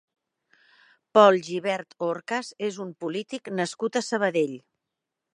Pol Gibert Horcas és un polític nascut a Sabadell.